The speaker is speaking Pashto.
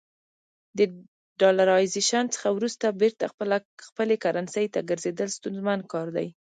د ډالرایزیشن څخه وروسته بیرته خپلې کرنسۍ ته ګرځېدل ستونزمن کار دی.